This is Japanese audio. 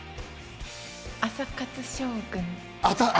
朝活将軍。